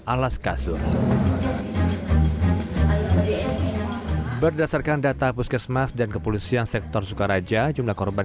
alas kasur berdasarkan data puskesmas dan kepolisian sektor sukaraja jumlah korban